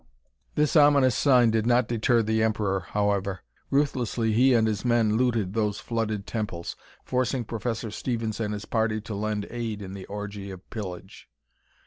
This ominous sign did not deter the "emperor," however. Ruthlessly he and his men looted those flooded temples, forcing Professor Stevens and his party to lend aid in the orgy of pillage.